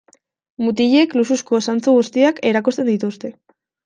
Mutilek luxuzko zantzu guztiak erakusten dituzte.